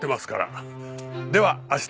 では明日。